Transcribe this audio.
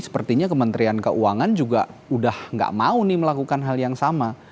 sepertinya kementerian keuangan juga sudah tidak mau melakukan hal yang sama